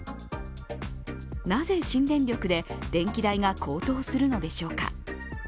なぜ新電力で電気代が高騰するのでしょうか。